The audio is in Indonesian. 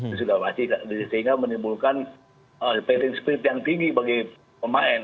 itu sudah pasti sehingga menimbulkan patin spirit yang tinggi bagi pemain